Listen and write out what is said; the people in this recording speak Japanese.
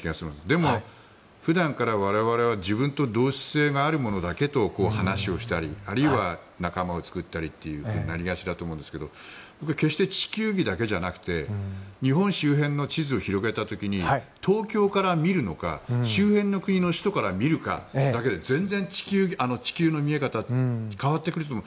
でも、普段から我々は自分と同質性がある者だけと話をしたりあるいは仲間を作ったりとなりがちだと思うんですけど僕は決して地球儀だけじゃなくて日本周辺の地図を広げた時に東京から見るのか周辺の国の首都から見るのかだけで全然、地球の見え方が変わってくると思う。